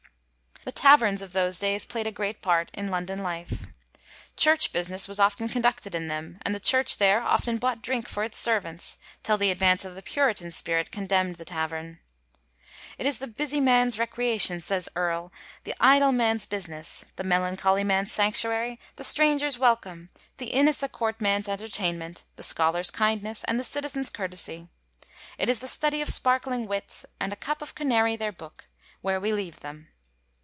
The Taverns of those days playd a great part in London life. Church business was often conducted in them and the church there often bought drink for its servants, till the advance of the Puritan spirit condemnd the Tavern. * It is the busie mans recreation,' says Earle, *the idle mans businesse, the melancholy mans Sanctuary, the Strangers welcome, the Innes a Court mans entertainment, the Scholers kindnesse, and the Citizens curtesie. It is the studie of sparkling wits, and a cup of Canary their booke, where we leaue them.'